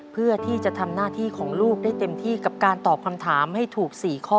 เพื่อที่จะทำหน้าที่ของลูกได้เต็มที่กับการตอบคำถามให้ถูก๔ข้อ